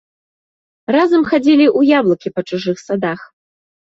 Разам хадзілі ў яблыкі па чужых садах.